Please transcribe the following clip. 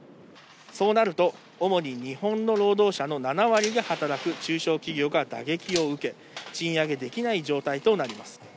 そうなると主に日本の労働者の７割が働く中小企業が打撃を受け、賃上げできない状態となります。